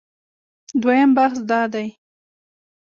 دویم بحث دا دی